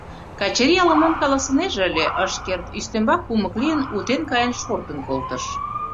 Качырий ала-мом каласынеже ыле, ыш керт, ӱстембак кумык лийын, утен каен шортын колтыш.